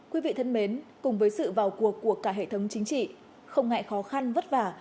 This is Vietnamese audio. quý vị thân mến cùng với sự vào cuộc của cả hệ thống chính trị không ngại khó khăn vất vả